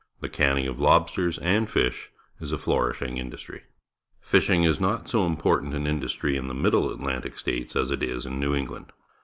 The canning of lobsters and fish is a flourisliing mdustry. Fishing is not so important an industry in the Middle Atlantic States as it is in New England.